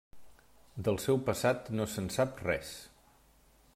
Del seu passat no se'n sap res.